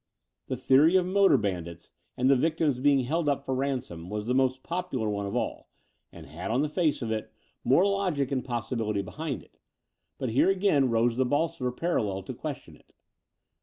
The theory of motor bandits and the victims being held up for ransom was the most popular one of all, and had, on the face of it, more logic 38 The Door of the Unreal and possibility behind it: but here again rose the Bolsover parallel to question it.